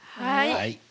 はい！